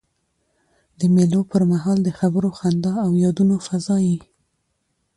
د مېلو پر مهال د خبرو، خندا او یادونو فضا يي.